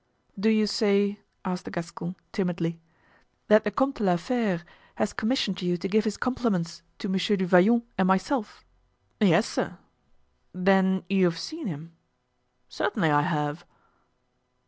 "Do you say," asked the Gascon, timidly, "that the Comte de la Fere has commissioned you to give his compliments to Monsieur du Vallon and myself?" "Yes, sir." "Then you have seen him?" "Certainly I have."